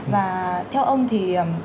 và theo ông thì